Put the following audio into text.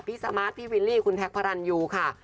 สมาร์ทพี่วิลลี่คุณแท็กพระรันยูค่ะ